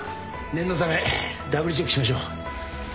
念のためダブルチェックしましょう。